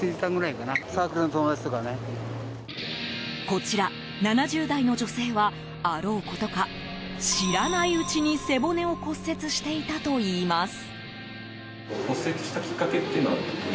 こちら、７０代の女性はあろうことか知らないうちに背骨を骨折していたといいます。